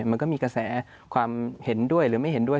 มันก็มีกระแสความเห็นด้วยหรือไม่เห็นด้วย